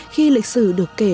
khi lịch sử được tạo ra